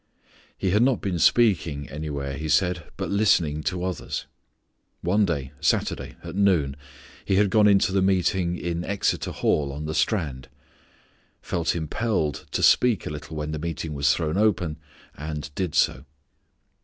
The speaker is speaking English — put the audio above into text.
He had not been speaking anywhere, he said, but listening to others. One day, Saturday, at noon, he had gone into the meeting in Exeter Hall on the Strand; felt impelled to speak a little when the meeting was thrown open, and did so.